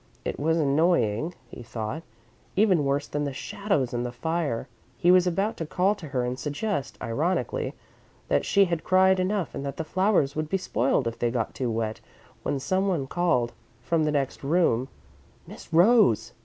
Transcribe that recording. It was annoying, he thought; even worse than the shadows and the fire. He was about to call to her and suggest, ironically, that she had cried enough and that the flowers would be spoiled if they got too wet, when someone called, from the next room: "Miss Rose!"